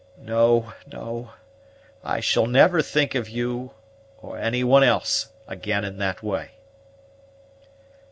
"No, no, I shall never think of you, or any one else, again in that way."